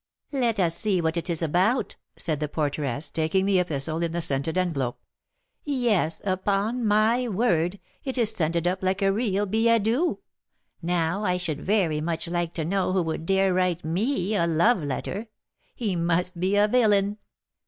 "Let us see what it is about," said the porteress, taking the epistle in the scented envelope. "Yes, upon my word, it is scented up like a real billet doux! Now, I should very much like to know who would dare write me a love letter! He must be a villain!"